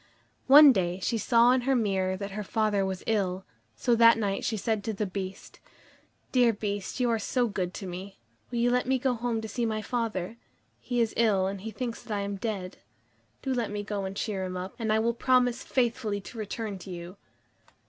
One day, she saw in her mirror that her father was ill, so that night she said to the Beast: "Dear Beast, you are so good to me, will you let me go home to see my father? He is ill, and he thinks that I am dead. Do let me go and cheer him up, and I will promise faithfully to return to you."